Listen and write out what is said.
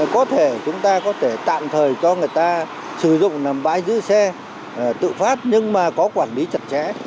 có thể chúng ta có thể tạm thời cho người ta sử dụng làm bãi giữ xe tự phát nhưng mà có quản lý chặt chẽ